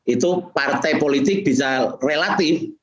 itu partai politik bisa relatif